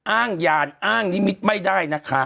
อ้างยานอ้างนิมิตรไม่ได้นะคะ